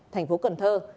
thành phố cần thơ